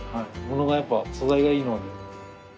物がやっぱ素材がいいので。